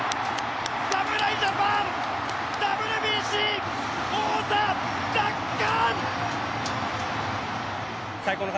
侍ジャパン、ＷＢＣ王座奪還！